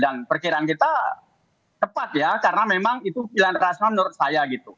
dan perkiraan kita tepat ya karena memang itu pilihan rasional menurut saya gitu